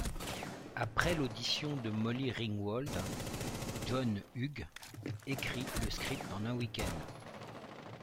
Après l'audition de Molly Ringwald, John Hughes écrit le script en un week-end.